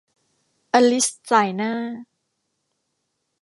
อลิซส่ายหน้า